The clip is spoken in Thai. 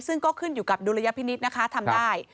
ซึ่งก็ขึ้นอยู่กับดุลยพินิษฐ์นะคะทำได้